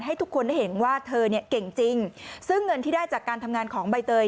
ให้ทุกคนได้เห็นว่าเธอเนี่ยเก่งจริงซึ่งเงินที่ได้จากการทำงานของใบเตย